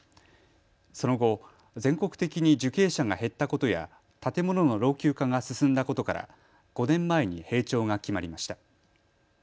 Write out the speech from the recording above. その後、全国的に受刑者が減ったことや建物の老朽化が進んだことから５年前に閉庁が決まりました。